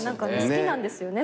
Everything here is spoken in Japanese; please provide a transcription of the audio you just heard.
好きなんですよね